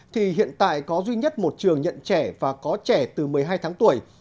thì hiện tại có duy nhất một trường nhận trẻ và có trẻ từ một mươi hai tháng tuổi